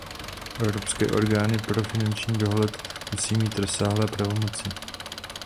Evropské orgány pro finanční dohled musí mít rozsáhlé pravomoci.